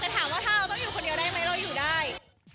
แต่ถามว่าถ้าเราต้องอยู่คนเดียวได้ไหมเราอยู่ได้